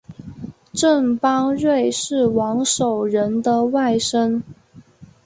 郑邦瑞是王守仁外甥。